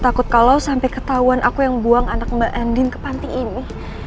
takut kalau sampai ketahuan aku yang buang anak mbak andin ke panti ini